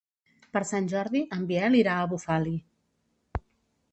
Per Sant Jordi en Biel irà a Bufali.